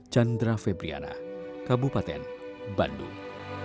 chandra febriana kabupaten bandung